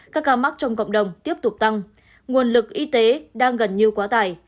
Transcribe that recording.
các ca mắc trong cộng đồng tiếp tục tăng nguồn lực y tế đang gần như quá tải